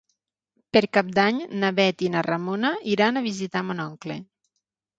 Per Cap d'Any na Bet i na Ramona iran a visitar mon oncle.